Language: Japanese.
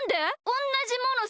おんなじもの